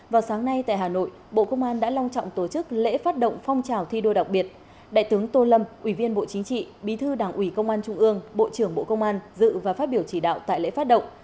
vào sáng nay tại hà nội bộ công an đã long trọng tổ chức lễ phát động phong trào thi đua đặc biệt đại tướng tô lâm ủy viên bộ chính trị bí thư đảng ủy công an trung ương bộ trưởng bộ công an dự và phát biểu chỉ đạo tại lễ phát động